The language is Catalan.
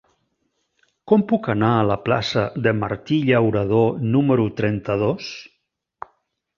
Com puc anar a la plaça de Martí Llauradó número trenta-dos?